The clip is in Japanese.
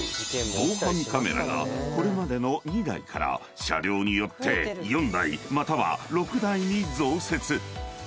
防犯カメラがこれまでの２台から車両によって４台または６台に増設］